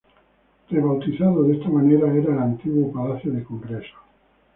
Rebautizado de esa manera, era el antiguo palacio de congresos.